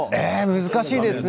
難しいですね。